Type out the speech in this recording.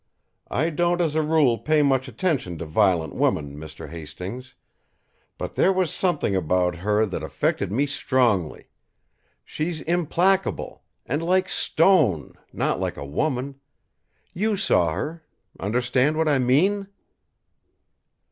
I don't as a rule pay much attention to violent women, Mr. Hastings; but there was something about her that affected me strongly, she's implacable, and like stone, not like a woman. You saw her understand what I mean?"